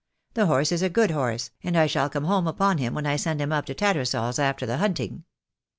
The horse is a good horse, and I shall come home upon him when I send him up to Tattersall's after the hunting."